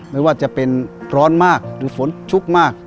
ไม่ว่าจะเป็นร้อนมากหรือฝนชุกมาก